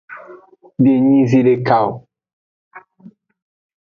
Denyi zedeka o.